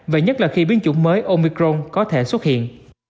và nhất là khi biến chủng mới omicron có thể xuất hiện